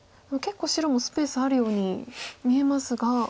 結構白もスペースあるように見えますが。